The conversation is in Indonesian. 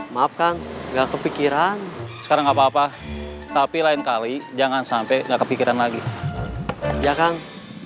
maafkan gak kepikiran sekarang apa apa tapi lain kali jangan sampai gak kepikiran lagi ya kang